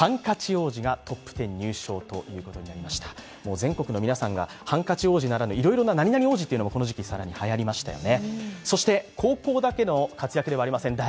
全国の皆さんがハンカチ王子ならぬ、いろいろな○○王子というのがこの時期、はやりましたよね。